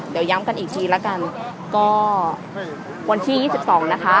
เดี๋ยวย้ำกันอีกทีละกันก็วันที่๒๒นะคะ